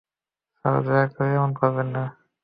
Sir, দয়া করে এমন করবেন না।